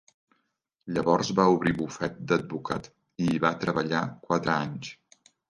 Llavors va obrir bufet d'advocat i hi va treballar quatre anys.